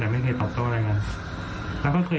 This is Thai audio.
แล้วมีการแจ้งความอะไรไหมครับพี่